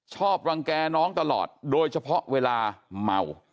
ชอบรังแก่น้องตลอดโดยเฉพาะเวลาเมา